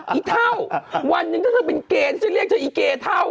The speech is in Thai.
อีเท่าวันนึงถ้าเธอเป็นเกณฑ์ฉันเรียกเธออีเกเท่า